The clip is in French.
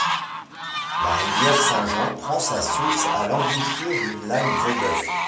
La rivière Saint-Jean prend sa source à l'embouchure du lac Brébeuf.